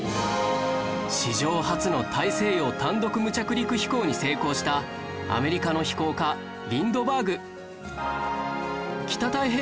史上初の大西洋単独無着陸飛行に成功したアメリカの飛行家リンドバーグ